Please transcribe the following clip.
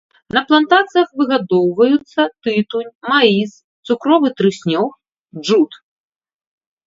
На плантацыях выгадоўваюцца тытунь, маіс, цукровы трыснёг, джут.